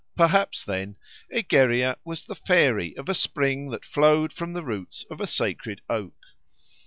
Perhaps, then, Egeria was the fairy of a spring that flowed from the roots of a sacred oak.